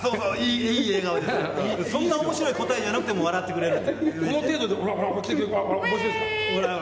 そんなに面白い答えじゃなくても笑ってくれる。